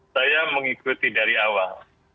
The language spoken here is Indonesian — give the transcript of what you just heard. saya mengikuti dari awal